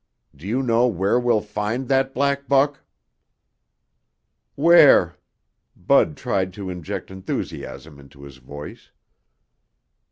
Do you know where we'll find that black buck?" "Where?" Bud tried to inject enthusiasm into his voice.